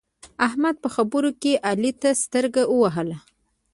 احمد په خبرو کې علي ته سترګه ووهله.